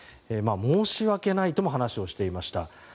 申し訳ないとも話していました。